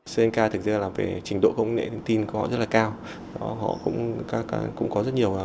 sri lanka thực ra là về trình độ công nghệ thông tin của họ rất là cao họ cũng có rất nhiều